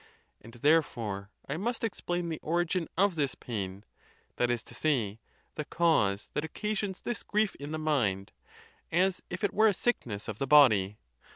And therefore I must explain the origin of this pain, that is to say, the cause that occasions this grief in the mind, as if it were a sickness of the body.